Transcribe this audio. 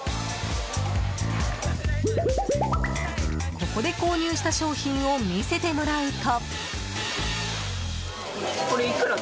ここで購入した商品を見せてもらうと。